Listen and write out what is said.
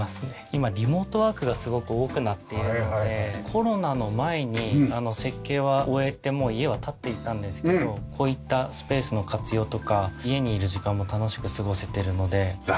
今リモートワークがすごく多くなっているのでコロナの前に設計は終えてもう家は建っていたんですけどこういったスペースの活用とか家にいる時間も楽しく過ごせてるので。